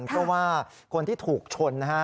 ก็ว่าคนที่ถูกชน